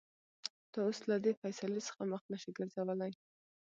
ته اوس له دې فېصلې څخه مخ نشې ګرځولى.